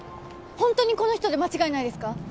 ほんとにこの人で間違いないですか？